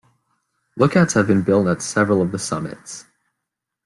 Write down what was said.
Lookouts have been built at several of the summits.